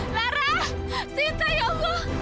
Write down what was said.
lara sita ya allah